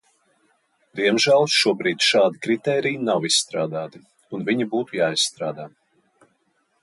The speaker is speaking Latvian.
Diemžēl šobrīd šādi kritēriji nav izstrādāti, un viņi būtu jāizstrādā.